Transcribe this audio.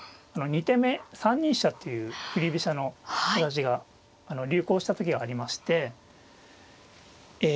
２手目３二飛車という振り飛車の形が流行した時がありましてえ